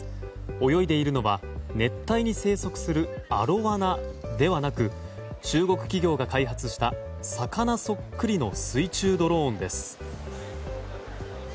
泳いでいるのは、熱帯に生息するアロワナではなく中国企業が開発した魚そっくりの水中ドローンです。